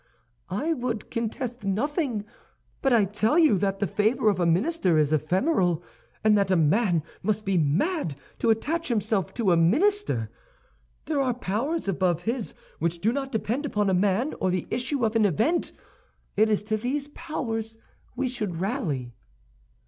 "I would contest nothing; but I tell you that the favor of a minister is ephemeral, and that a man must be mad to attach himself to a minister. There are powers above his which do not depend upon a man or the issue of an event; it is to these powers we should rally."